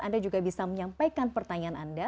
anda juga bisa menyampaikan pertanyaan anda